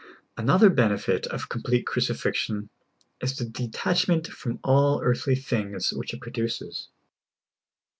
Another benefit of complete crucifixion 2s the de tachment from all earthly things which it produces.